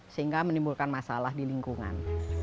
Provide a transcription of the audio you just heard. sehingga menimbulkan masalah di lingkungan